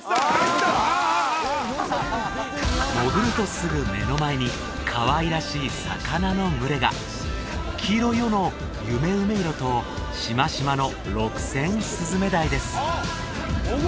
潜るとすぐ目の前にかわいらしい魚の群れが黄色い尾のユメウメイロとしましまのロクセンスズメダイです